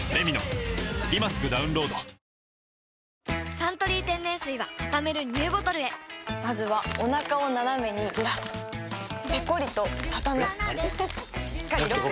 「サントリー天然水」はたためるＮＥＷボトルへまずはおなかをナナメにずらすペコリ！とたたむしっかりロック！